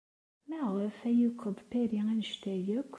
Maɣef ay yukeḍ Paris anect-a akk?